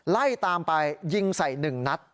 ไล่ตามไปยิงใส่หนึ่งนัด